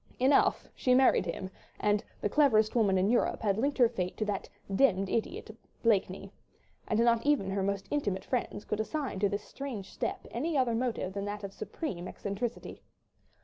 Enough, she married him, and "the cleverest woman in Europe" had linked her fate to that "demmed idiot" Blakeney, and not even her most intimate friends could assign to this strange step any other motive than that of supreme eccentricity.